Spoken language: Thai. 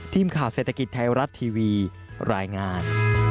ทีมข่าวเศรษฐกิจไทยรัฐทีวีรายงาน